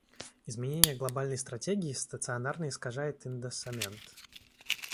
Изменение глобальной стратегии стационарно искажает индоссамент.